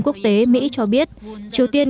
quốc tế mỹ cho biết triều tiên